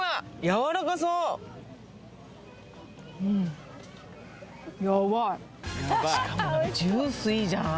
やわらかそううん